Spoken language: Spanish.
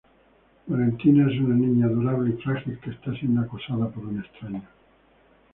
Valentina es una niña adorable y frágil que está siendo acosada por un extraño.